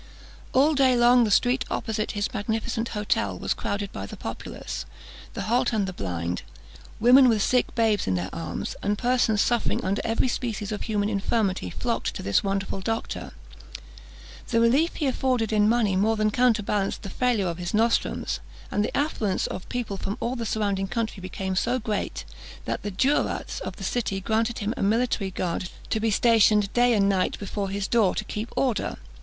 All day long the street opposite his magnificent hotel was crowded by the populace; the halt and the blind, women with sick babes in their arms, and persons suffering under every species of human infirmity, flocked to this wonderful doctor. The relief he afforded in money more than counterbalanced the failure of his nostrums; and the affluence of people from all the surrounding country became so great, that the jurats of the city granted him a military guard, to be stationed day and night before his door, to keep order.